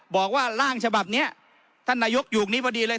บอกว่าร่างฉบับนี้ท่านนายกอยู่อย่างนี้พอดีเลย